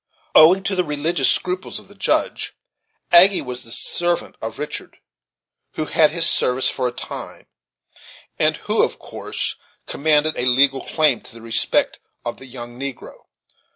Owing to the religious scruples of the Judge, Aggy was the servant of Richard, who had his services for a time,* and who, of course, commanded a legal claim to the respect of the young negro.